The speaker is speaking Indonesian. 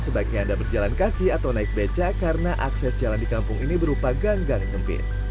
sebaiknya anda berjalan kaki atau naik beca karena akses jalan di kampung ini berupa ganggang sempit